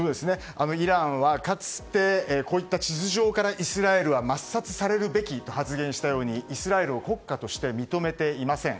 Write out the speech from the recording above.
イランはかつて、地図上からイスラエルは抹殺されるべきと発言したようにイスラエルを国家として認めていません。